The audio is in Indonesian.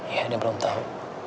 ya dia belum tahu